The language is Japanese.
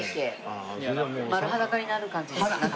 丸裸になる感じです中が。